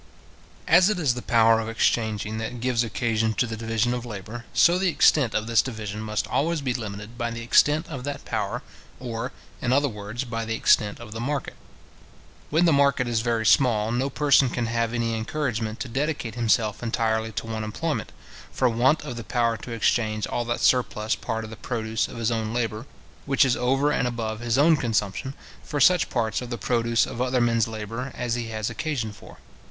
As it is the power of exchanging that gives occasion to the division of labour, so the extent of this division must always be limited by the extent of that power, or, in other words, by the extent of the market. When the market is very small, no person can have any encouragement to dedicate himself entirely to one employment, for want of the power to exchange all that surplus part of the produce of his own labour, which is over and above his own consumption, for such parts of the produce of other men's labour as he has occasion for.